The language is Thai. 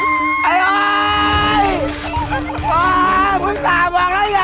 อย่าไปเคร่งน้ำ